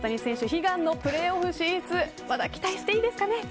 悲願のプレーオフ進出まだ期待していいですかね。